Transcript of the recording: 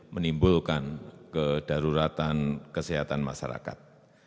menimbulkan kedaruratan kesehatan masyarakat